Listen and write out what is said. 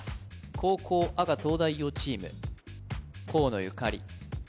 後攻赤東大王チーム河野ゆかり